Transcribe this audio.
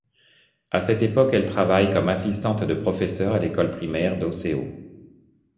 À cette époque, elle travaille comme assistante de professeur à l'école primaire de Osseo.